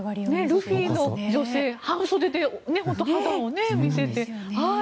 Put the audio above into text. ルフィの女性半袖で肌を見せて。